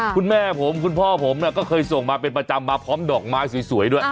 คุณแม่ผมคุณพ่อผมก็เคยส่งมาเป็นประจำมาพร้อมดอกไม้สวยด้วย